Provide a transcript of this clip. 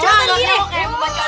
kayaknya ada naik di motor